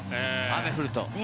雨が降ると。